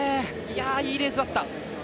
いいレースだった。